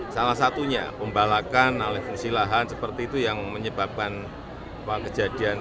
salah satunya pembalakan alih fungsi lahan seperti itu yang menyebabkan kejadian